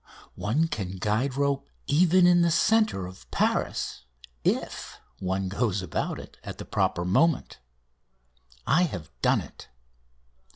One can guide rope even in the centre of Paris if one goes about it at the proper moment. I have done it.